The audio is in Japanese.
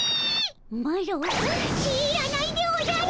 マロ知らないでおじゃる。